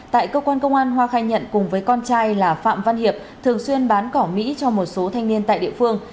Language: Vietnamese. tại cơ quan công an hoa khai nhận cùng với con trai là phạm văn hiệp thường xuyên bán cỏ mỹ cho một số thanh niên tại địa phương